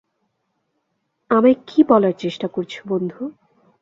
আমায় কী বলার চেষ্টা করছো, বন্ধু?